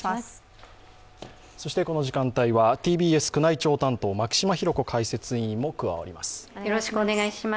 そしてこの時間帯はＴＢＳ宮内庁担当牧嶋博子解説委員も加わります。